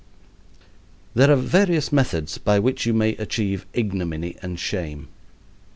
There are various methods by which you may achieve ignominy and shame.